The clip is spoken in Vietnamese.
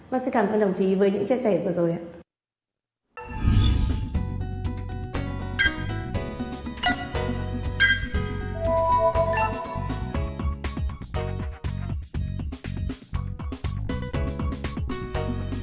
mình sẽ cảm ơn đồng chí với những chia sẻ vừa rồi ạ